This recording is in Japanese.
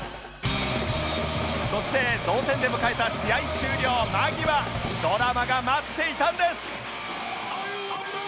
そして同点で迎えた試合終了間際ドラマが待っていたんです